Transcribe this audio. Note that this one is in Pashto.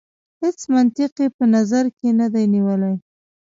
هیڅ منطق یې په نظر کې نه دی نیولی.